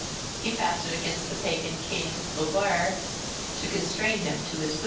He fasted against the pagan King Loeguire to "constrain him to his will."